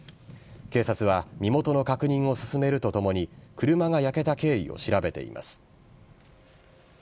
警察は身元の確認を進めるとともに車が焼けた経緯を調べています。